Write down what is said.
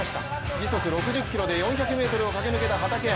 時速６０キロで４００ｍを駆け抜けた畠山。